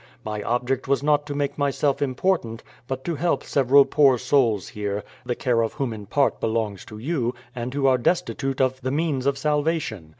My object was not to make myself important, but to help several poor souls here, the care of Avhom in part belongs to you, and who are destitute of the means of salvation.